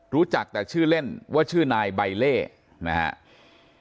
รู้จักแต่ชื่อเล่นว่าชื่อนายใบเล่นะครับ